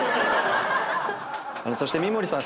そして三森さん